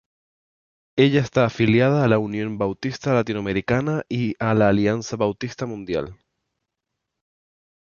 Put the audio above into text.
Ella está afiliada a la Unión Bautista Latinoamericana y a la Alianza Bautista Mundial.